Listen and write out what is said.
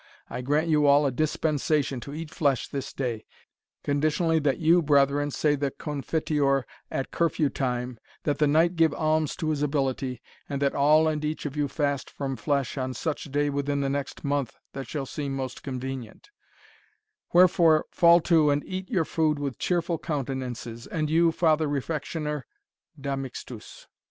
I grant you all a dispensation to eat flesh this day, conditionally that you, brethren, say the Confiteor at curfew time, that the knight give alms to his ability, and that all and each of you fast from flesh on such day within the next month that shall seem most convenient; wherefore fall to and eat your food with cheerful countenances, and you, Father Refectioner, da mixtus."